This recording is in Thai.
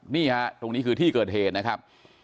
นี่ฮะตรงนี้คือที่เกิดเหตุนะครับ